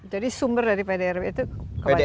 jadi sumber dari pdrb itu kebanyakan